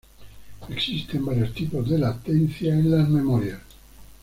Existen varios tipos de latencia en las memorias.